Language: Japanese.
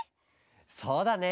そうだね。